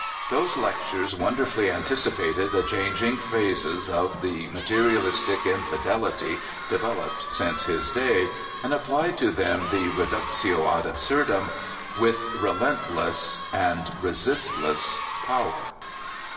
Those lectures won derfully anticipated the changing phases of the materialistic intidelity developed since his day, and applied to them the reductio ad absurd uni with re lentless and resistless power.